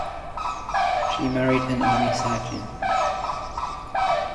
She married an Army surgeon.